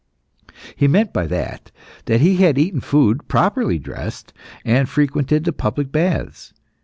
He meant by that that he had eaten food properly dressed, and frequented the public baths.